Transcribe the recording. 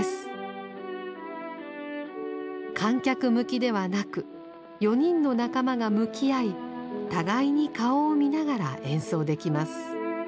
観客向きではなく４人の仲間が向き合い互いに顔を見ながら演奏できます。